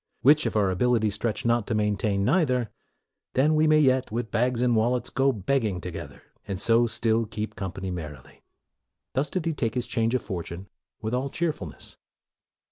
Which, if our ability stretch not to main tain neither, then may we yet, with bags and wallets, go a begging together, and so still keep company merrily." Thus did he take his change of fortune with all cheerfulness.